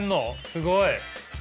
すごい！